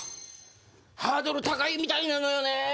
ハードル高いみたいなのよね。